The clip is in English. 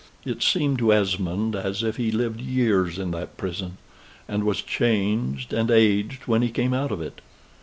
It seemed to Esmond as if he lived years in that prison: and was changed and aged when he came out of it.